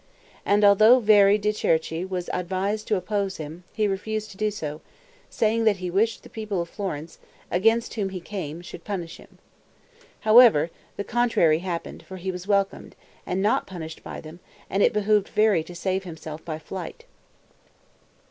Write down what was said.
And although Veri de Cerchi was advised to oppose him, he refused to do so, saying that he wished the people of Florence, against whom he came, should punish him. However, the contrary happened, for he was welcomed, not punished by them; and it behooved Veri to save himself by flight.